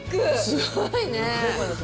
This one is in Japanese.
すごいね。